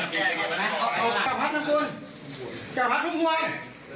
จากภาพนักกลุ่นจากภาพรุ่งมวย